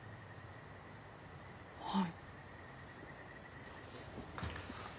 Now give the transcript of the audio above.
はい。